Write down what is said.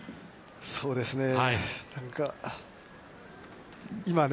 ◆そうですね。